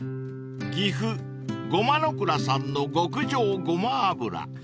［岐阜ごまの藏さんの極上胡麻油］